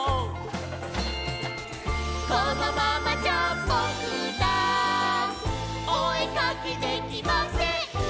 「このままじゃぼくら」「おえかきできません」